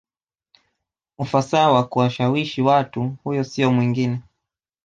ufasaha wa kuwashawishi Watu Huyo siyo mwingine